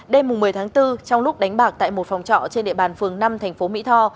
đêm một mươi tháng bốn trong lúc đánh bạc tại một phòng trọ trên địa bàn phường năm thành phố mỹ tho